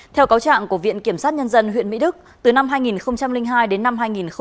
theo cáo trạng của viện kiểm sát nhân dân huyện mỹ đức từ năm hai nghìn hai đến năm hai nghìn một mươi ba